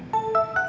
ya kan pak